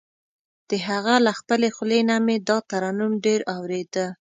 د هغه له خپلې خولې نه مې دا ترنم ډېر اورېده.